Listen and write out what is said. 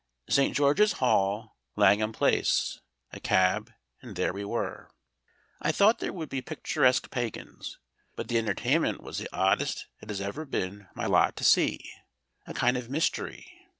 "St. George's Hall, Langham Place," a cab, and there we were. I thought they would be picturesque Pagans. But the entertainment was the oddest it has ever been my lot to see, a kind of mystery.